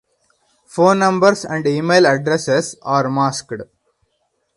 Phone numbers and email addresses are masked.